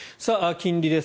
金利です。